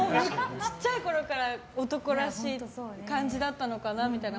ちっちゃいころから男らしい感じだったのかなとか